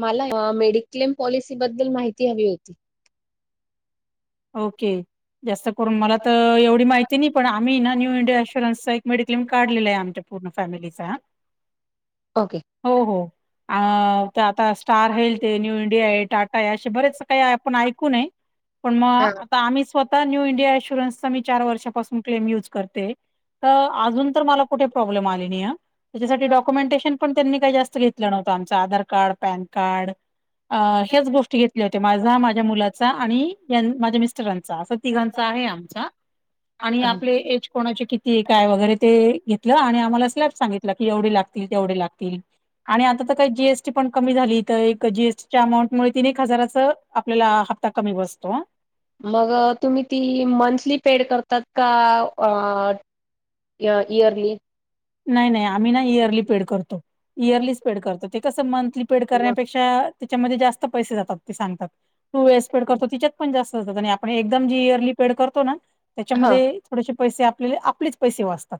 मला mediclaim policy बद्दल माहिती हवी होती. ओके जास्त करून मला तर एवढी माहिती. तिनी पण आम्ही ना न्यू इंडिया इनशुरन्सचा एक मेडिक्लेम काढलेला आहे आमच्या पूर्ण फॅमलीचा. [unintelligible] ओके. हो हो आता स्टार हेल्थ आहे न्यू इंडिया आहे टाटा आहे असे बरेच काही. आपण ऐकूूनाय. पण हा. मग आता आम्ही स्वतः न्यू इंडिया इन्शुरन्सचा मी चार वर्षापासून क्लेम युज करते. तर अजून तर मला कुठे प्रॉब्लेम आले नाही. त्याच्यासाठी डॉक्युमेंटेशन पण त्यांनी काही जास्त घेतलं नव्हतं आमचं आधार कार्ड पॅन कार्ड. अ ह्याच गोष्टी घेतल्या होते माझा माझ्या मुलाचा आणि. माझ्या मिस्टरांचा असं तिघांचा आहे आमचा आणि आपले एज कोणाचे किती. की काय वगैरे ते घेतलं आणि आम्हाला स्लॅब सांगितलं की एवढे लागतील तेवढे लागतील. आणि आता तर काही जीएसटी पण कमी झाली तर एक जीएसटीच्या अमाऊंटमुळे तीन एक हजाराचं. आपल्याला हप्ता कमी बसतो. मग तुम्ही ती मंथली पेड करतात का अ इयरली? नाही नाही आम्ही ना इयरली पेड करतो इयरलीच पेड करतो. ते कसं मंथली पेड करण्यापेक्षा त्याच्यामध्ये जास्त पैसे जातात ते सांगतात. टू इयर्स पेड करतो तिच्यात पण जास्त असतात आणि आपण एकदम जी इयरली पेड करतो ना हा त्याच्यामध्ये थोडसे पैसे आपल्या आपलेच पैसे वाचतात.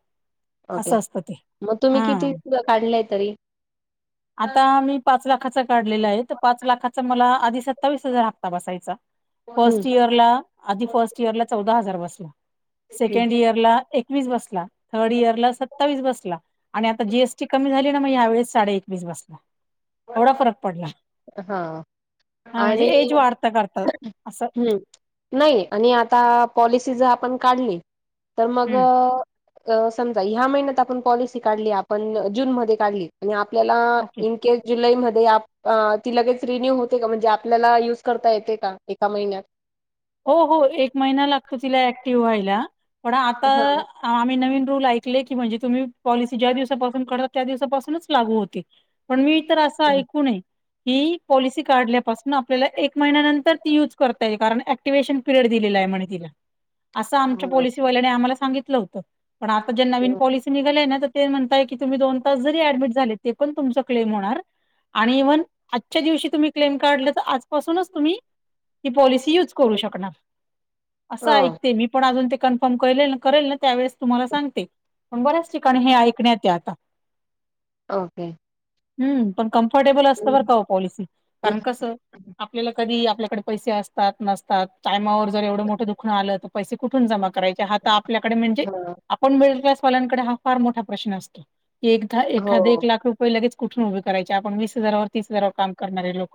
ओके असं असतं ते मग तुम्ही हा किती काढलंय तरी? आता हम्म. मी पाच लाखाचा काढलेलं आहे तर पाच लाखाचा मला आधी सत्तावीस हजार हक्ता बसायचा. फर्ट इयर ला आधी फर्स्ट इयर ला चौदा हजार बसला सेकंद इयर ला बसला थर्ड हम्म. इयरला सत्तावीस बसला आणि आता जीएसटी कमी झाली ना मग या वेळेस साडे एकवीस बसला. एवढा फरक पडला हा हा म्हणजे आणि एज वाढत करत असं हम्म नाही आणि आता पॉलिसी जर आपण काढली तर मग हम्म अ समजा ह्या महिन्यात आपण पॉलिसी काढली आपण जून मध्ये काढली. आणि आपल्याला ओके इन केेस जुलैमध्येध्ये आप ती लगेच रिन्यू होते का म्हणजे आपल्याला युज करता येते का एका महिन्यात. हो हो एक महिना लागतो तिला ऍक्टिव्ह व्हायला पण आता हा आम्ही नवीन रूल ऐक की म्हणजे तुम्ही पॉलिसी ज्या दिवसाप करता त्या दिवपासून लागू होते. पण मी तर असं ऐकून ये ही पॉलिसी काढल्यापासून आपल्याला एक महिन्यानंतर ती युज करता ये कारण ऍक्टि अँक्टिव्वेशन पिरियड दिले आहे म्हणे तिला असं आमच्या पॉलिसीवाल्याने आम्हाला सांगितलं होत. पण आता जे नवीन पॉलिसी निघालीय ना तर ते म्हणतय की तुम्ही दोन तास जरी ऍडमिट झाले ते पण तुमच क्लेम होणार. आणि इव्हन आजच्या दिवशी तुम्ही क्लेम काढले तर आजपासूनच तुम्ही ती हो पॉलिसी यूज करू शकणार असं ऐक ते मी पण अजून ते कन्फर्म कर करेल ना त्यावेेळेस तुम्हाला सांगते. पण बऱ्याच ठिकाणी हे ऐकण्यात हे आता. ओके हम्म पण कम्फर्टेबल हो. असत बर का पॉलिसी, कारण कस आपल्याला कधी आपल्याकडे पैसे असतात नस टाईमवर जर एवढं मोठं दुखण आलं तर पैसे कुठून जमा करायचे हा तर आपल्याकडे म्हणजे आपण मिडलक्लास वालांकडे हा फार मोठा प्रश्न असतो. एकदा एखादा एक हो, लाख रुपये लगेच कुठून उभे करायचे आपण वीस हजार व तीस हजारवर काम करणारे लो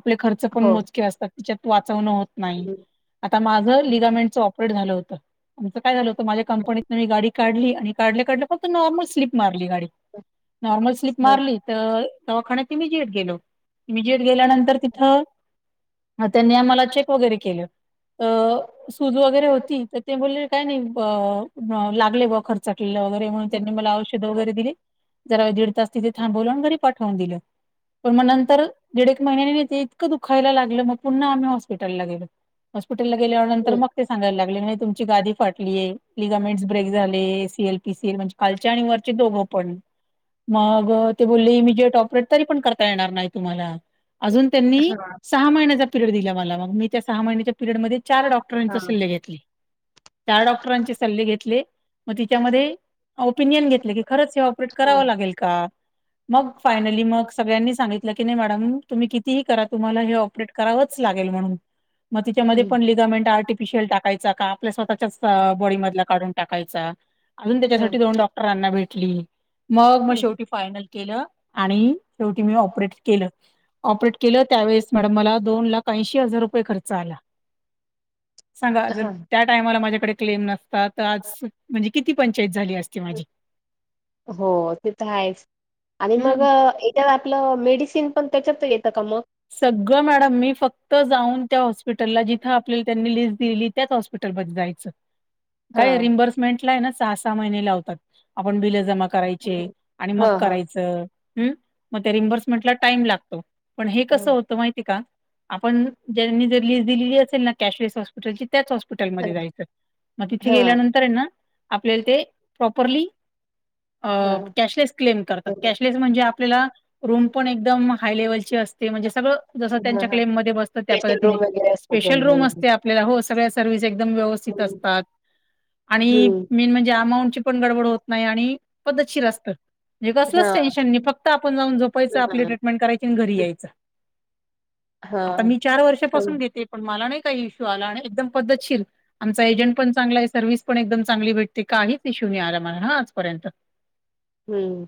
आपले खर्च पण हो. मोजके असतात तिच्यात वाचवणं नाही हं. आता माझं लिगामेंटचं ऑपरेट झालं होतं. आमचं काय झालं होत माझ्या कंपनीतन मी गाडी काढली आणि काढले काढलं फक्त नॉर्मल स्लीप मारली गाडी, नॉर्मल स्लीप हं. हां. मारली. तर हां. दवाखान्यात मी जेट गेलो. इमिजिएट गेल्यानंतर तिथं त्यांनी आम्हाला चेक वगैरे केलं. अ सुूद वगैरे होती तर ते बोलले काय नाही लागले ब खर्च- रे म्हणून त्यांनी मला औषधे वगैरे दिली, जरा तिथे थांबून घरी पाठवून दिलं, पण मग नंतर दीड एक महिन्या नाहीेते इतकं दुखायला लागलं मग पुन्हा आम्ही हॉस्पिटलला गेलो. हॉस्पिटलला गेल्यावरनंतर हं. मग ते सांगायला लागले नाही तुमची गादी फाटली आहे. लिगामेंट्स ब्रेक झाले सीएल पीसील म्हणजे कालचे आणि वरचे दोघ पण. मग ते बोलले इमिजिएट ऑपरेट तरी पण करता येणार नाही तुम्हाला अजून त्यांनी सहा महिन्याचा पिरियड दिला मला मग मी त्या सहा महिन्या पिरयड मध्ये चार डॉक्टरांचे सल्ले घेतले. चार डॉक्टरांचे सल्ले घेतले मग तिच्यामध्ये ओपिनियन घेतले, की खरंच हे ऑपरेट करावं लागेल का? मग फायनली मग सगळ्यांनी सांगितलं की नाही मॅडम तुम्ही कितीही करा तुम्हाला हे ऑपरेट करावच लागेल म्हण मग मग त्याच्यामध्ये [unintelligible] ल टाकाय का आपल्या स्वतःच्या बॉडी मध काढून टाकायचा अजून त्याच्यासाठी दोन डॉ रांना भेटली मग मग शेवटी फायनल केलं आणि शेवटी मी ऑपरेट केलं ऑपरेट केलं त्यावेळेस मॅडम मला दोन लाख ऐंशी हजार रु रुपये खर्च आला सांगा अजून हां. त्याच टायमाला माझ्याकडे क्लेम नसतात तर आज म्हणजे किती पंचायत झाली असते माझी हो ते तर आहेच आणि हम्म मग एक त्या आपलं मेडिसिन पण त्याच्यात येतं का मग सगळं मॅडम मी फक्त जाऊन त्या हॉस्पिटलला जिथं आपल्याला त्यांनी लिस्ट दिलीली त्याच हॉस्पिटलमध्ये जायचं काय हां. रिम्बर्समेंटला आहे ना सहा, सहा महिने लावतात आपण बिलं जमा करायचे आणि मग हां हां. करायचं हम् मग त्या रिम्बर्समेंट ला टाइम लागतो पण हे कसं हं. होतं माहिती का आपण ज्यांनी जर लीस दिलेली असेल ना कॅशलेस ल त्याच हॉस्पिटलमध्ये जायचं मग तिथे हां. गेल्यानंतर ना आपल्याला ते प्रॉपरली अ हां. कॅशलेस क्लेम करतात बरोबर. कॅशलेस म्हणजे आपल्याला रूम पण एकदम हाय लेवलची अस म्हणजे सगळं जस हां त्यांच्या हां. क्ले म बसतं त्या ड्रेसिंग पद्धतीने रूम वगैरे असतो पण स्पेशल रूम हं. असते आपल्याला हो सगळ्या सर्वस एकदम व्यवस्थित हं. असतात आणि हं. मेन म्हणजे अमाऊंटची पण गडबड होत नाही आणि पद्धतशीर असत म्हणजे कसलंच हां. टेनशन नाही फक्त आपण जाऊन झोपायचं आपली ट्रीटमेंट करायची आणि घरी यायचं आता हां. मी चार हां. वर्षापासून घेते पण मला नाही काही इश्यू आला आणि एकदम पद्धतशीर आमचा एजंट पण चांगला आहे सर्व्हिस पण एकदम हं. चांगली भेटते काहीच इशू आला नाही आम्हाला हा आजपर्यंत हम्म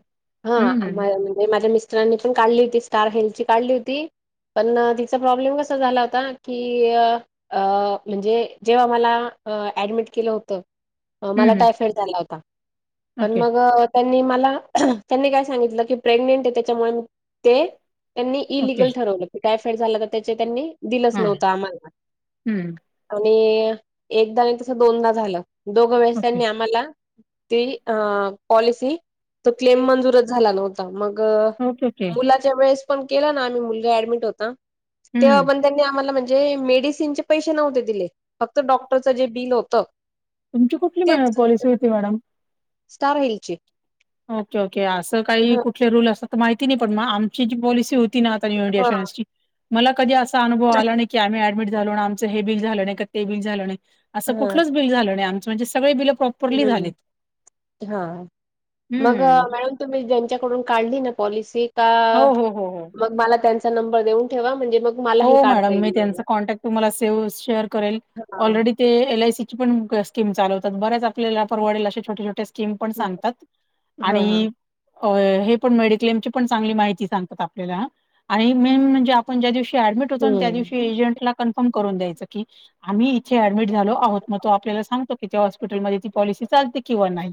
हा हम्म म्हणजे माझ्या मिस्टरांनी पण काढली होती स्टार हेल्थची काढली होती पण तिचा प्रॉब्लेम कसा झाला होता की अ म्हणजे जेव्हा मलाअ ऍडमिट केलं होतं मला हम्म. टायफाइड झाला होता पण ओके मग त्यांनी मला त्यांनी काय सांगितलं की प्रेग्नेंट आहे त्याच्यामुळे ते त्यांनी ओके इलिगल ठरवलं की टायफड झाला तर त्याचे त्यांनी दिलच हां नव्हतं आम्हाला हं, आणि एकदा आणि तस दोनदा झालं दोघ वेळेस ओके. त्यांनी आम्हाला ती अं पॉलिसी त क्लेम मंजूरच झाला नव्हता मग ओके ओके मुला त्यावेळेस पण केलं ना आम्ही मुलगा ऍडमिट होता तेव्हा हम्म पण त्यांनी आम्हाला म्हण जे मेडिसिन चे पैसे नव्हते तिले फक्त डॉक्टरचं जे बिल होतं तुमची कुठली तेच पॉलिसी होती मॅडम स्टार हेल्थची ओके, ओके असं काही कुठले रूल असतात तर माहिती नाही पण म आमची जी पॉलिसी हो [unintelligible] मला कधी अनुभव आला नाही की आम्ही ऍडमिट झालो आमचं हे बि झालं नाही का ते बिल झालं नाही असं कुठलंच बिल झालं नाही आमचं सगळे बिल हम् हा मग हम्म मॅडम तुम्ही ज्यांच्याकडून काढलीय ना पॉलिसी का हो हो हो हो मला त्याचा नंबर देऊन ठेवा म्हणजे मग मलाही हो काढता मॅडम मी येईल महिना त्यांचा कॉन्टॅक्ट तुम्हाला सेव शेअर करेल हा ऑलरेडी ते एल आय सीची पण स्कीम चालवतात बऱ्याच आपल्याला परवडेल असशे छोटे, छोटे कीम पण सांगतात. हा हा आणि अ हे पण मेड्क्लेम ची पण चांगली माहिती सांगतात आपल्याला ह. मेन म्हणजे आपण ज्या दिवशी ऍडमिट होतो ना त्यादिवशी. हम्म एजंटला कन्फर्म करून द्यायचं की, आम्ही इथे अडमिट झालो आहोत. म तो आपला सांगतो की, त्या हॉस्पिटल मध्ये ती पॉलिसी चालते किंवा नाही.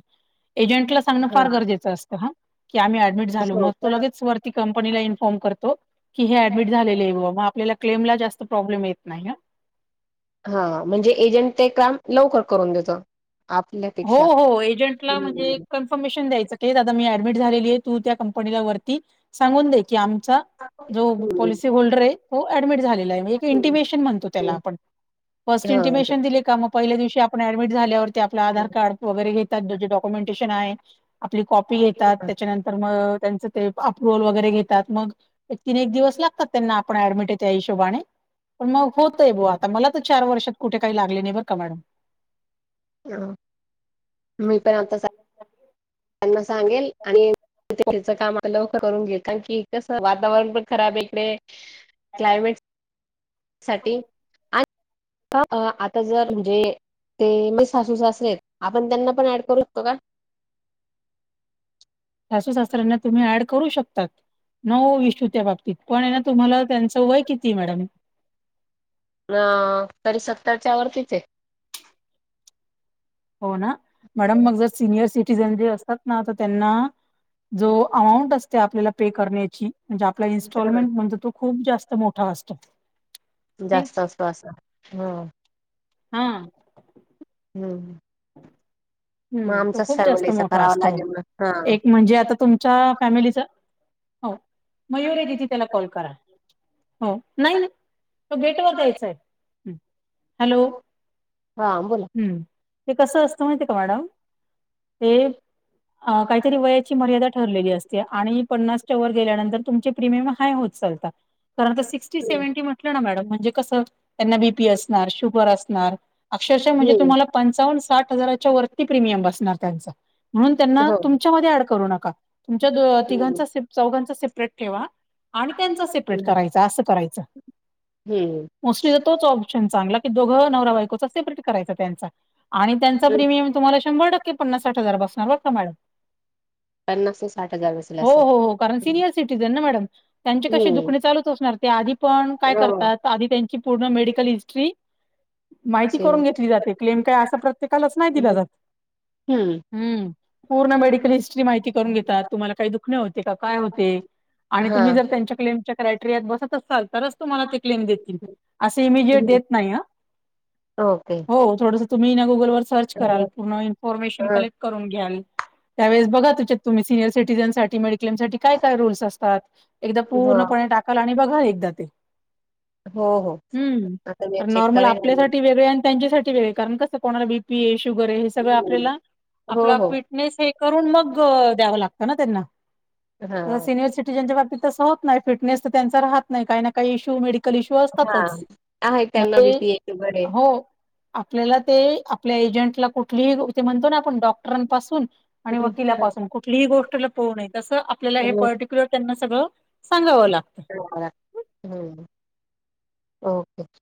एजंटला सांगणं हा फार गरजेचं असतं ह. की आम्ही ऍडमिट झालो. म हो तो का लगेच वरती कंपनी इ्फॉर्म करतो. की हे ऍडमट झालेलेय बा. म आपल्या क्लेमला जास्त प्रब्लेम येत नाही. हा म्हणजे एजंट ते काम लवकर करून देतो. आपल्या हो हो एजंटला म्हणजे एक इफॉर्मेशन द्यायचं की ये दादा मी ऍडमिट झालेलीय तू त्या कंपनीला वरती सांगून दे की आमचा जो पॉलिसी होल्डरे तो ऍडमिट झालेला आहे. एक हम्म इंटिमेशन म्हणतो त्याला आपण. फर्स्ट इंटिमेशन दिले का? मग पहिल्या दिवशी आपण ऍडमिट झाल्यावर आप आधार हम्म. कार्ड वगैरे घेतात. त्याचे डॉक्युमेंटेशन आहे. आपली कॉपी घेतात. हा. त्याच्यानंतर म त्यांच ते अप्रुव्हल वगैरे घेतात. म एक तीन एक दिवस लागतात त्यांना. आपण ऍडमिटे त्या हिशोबाने. पण मग होतय बा. आता मला तर चार वर्षात कुठे काही लागले नाही बर का मॅडम. ह मी काय आता काय [unintelligible] त्यांना सांगेल. आणि च काम लवकर करून घे. कारण की कसं वातावरण पण खराबे इकडे. क्लायमेट साठी [inaudible] आता जर म्हणजे? ते मी सासू सासरेयेत. आपण त्यांना पण ऍड करू शकतो का? सासू-सासर्‍यांना तुम्ही ऍड करू शकतात. नो ईशू त्या बाबतीत. पणे ना तुम्हाला त्यांचं वय कितीय मॅडम? अ तरी सत्तरच्या वरतीचे. हो ना, मॅडम मग जर सिनियर सी सिटिझन जे असतात ना. त त्यांना जो अमाऊंट असते आपल्याला पे करण्याची. म्हणजे आपला इन्स्टॉलमेंट म्हणतो तो खूप जास्त मोठा असतो. नाही जास्त असतो अस. ह हम्म का? हां हम्म. मग हम्म तो आमचाच खूप जास्त फॅमिलीचा मोठा करावा असतो. लागेल ना एक म्हणजे हा आता तुमच्या फॅमिलीचा हो. मयूरी दिदी त्याला कॉल करा. हो नाही ना तो गेट वर द्यायचाय. हॅलो, हा बोला हम्म, ते कस असत माहिते का? मॅडम. ते अ काहीतरी वयाची मर्यादा ठरलेली असते. आणि पन्नासच्या वर गेल्यानंतर तुमचे प्रीमियम काय होत चालतात. कारण ते सिक्सटीस सेव्हंटी म्हटलं ना मॅडम म्हणजे कसं त्यांना बीपी असणार, शुगर असणार. अक्षरशः म्हणजे हम्म तुम्हाला पंचावन्न साठ हजारा वरती प्रीमियम बसणार त्यांचा. म्हणून त्यांना हो तुमच्या म ऍड करू नका, तुमच्या हम्म तिघांचा चौघांचा सेपरेट ठेवा. आणि त्यांचं सेपरेट हम्म करायचं. असं करायचं. हम्म. चागला की दोघ नवरा बायकोचा सेपरेट करायचा त्यांचा. आणि त्यांचा प्रीमियम तुम्हाला शंभर ट की पन्नासाठ हजार बसणार बर का मॅडम. पन्नास ते साठ हजार बसेल हो असं हो हो,, कारण सिनियर सिटीझन ना मॅडम. त्यांची कशी हम्म दुखणे चालूच असणार, ते आधी पण काय हो करतात? आधी त्यांची पूर्ण मेडिकल हिस्ट्री माहिती करून घेतली जाते, क्लेम काय असा प्रत्येक - कालच नाही दिला जात. हम्म! हं. पूर्ण मेडिकल हिस्ट्री माहिती करून घेतात, तुम्हाला काही दुखणे होते, काय होते आणि हा तुम्ही जर त्यांची - तुमच्या क्लेम च्या क्रायटेरियात बसत असाल तरच, तुम्हाला ते क्लेम देतील. अस इमिजेट देत नाही हा, ओके हो वो. थोडसं तुम्ही ना गुगल वर सर्च कराल, हो पूर्ण इन्फॉर्मेशन कलेक्ट करून घ्याल. त्यावेळेस बघा त्याच्यात तुम्ही, सिनियर सिटीझन साठी मेडिक्लेम साठी काय काय रूल्स असतात. एकदा पूर्णपणे टाकाल, आणि बघा एकदा ते. हो हो हम्म, आता मी तर चेक नॉर्मल करेन आणि आपल्यासाठ- वेगऴ, त्यांच्यासाठी वेगळे कारण कस कोणाला बीपी ए शुगर आहे हे सगळं आपल्याला हो आपल्या हो आप- नेस हे करून मग द्यावं लागतं ना त्यांना. हा सिनियर सिटिझनच्या बाबतीत तसं होत नाही, फिटनेस तर त्यांचा राहत नाही, काही ना काही इश्यू मेडिकल इश्यू असतात. हा, आहे त्यांना बी पी हे, शुगर हे. हो. आपल्याला ते, आपल्या एजंटला कुठलीही ते म्हणतो ना आपण डॉक्टरांपासून - आणि वकिलापासून कुठलीही गोष्ट लपू नये, तसं आपल्याला हे पर्टिक्युलर त्यांना सगळं - सांगावं लागतं? ओके.